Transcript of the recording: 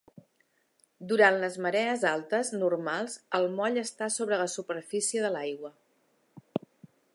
Durant les marees altes normals el moll està sobre la superfície de l'aigua.